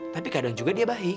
tapi kadang juga dia baik